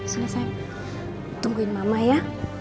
sudah saya tungguin mama ya